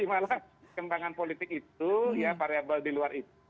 jadi malah kembangan politik itu ya variable di luar itu